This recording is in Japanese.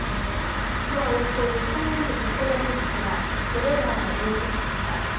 火はおよそ２時間後に消し止められましたがトレーラーは全焼しました。